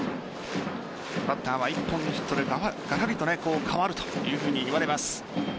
バッターは１本のヒットでガラリと変わるといわれます。